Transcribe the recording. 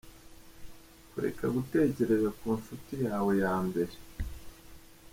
Kureka gutekereza ku nshuti yawe ya mbere.